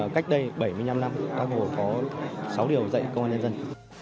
cách đây bảy mươi năm năm công an nhân dân có sáu điều dạy công an nhân dân